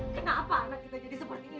kenapa anak kita jadi seperti ini